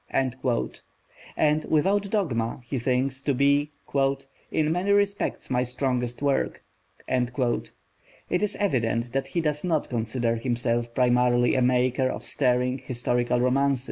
And Without Dogma he thinks to be "in many respects my strongest work." It is evident that he does not consider himself primarily a maker of stirring historical romance.